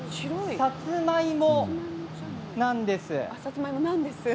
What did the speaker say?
さつまいもなんです。